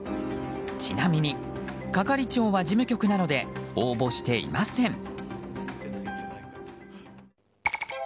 ちなみに係長は事務局なので応募していません。